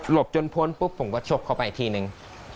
หลบจนพ้นปุ๊บผมก็ชกเขาไปทีหนึ่ง